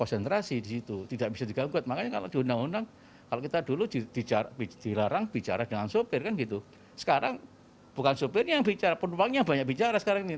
sekarang bukan sopir yang bicara penumpangnya banyak bicara sekarang ini